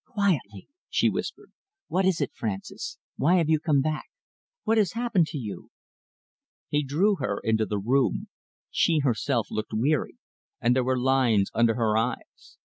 "Quietly," she whispered. "What is it, Francis? Why have you come back? What has happened to you?" He drew her into the room. She herself looked weary, and there were lines under her eyes.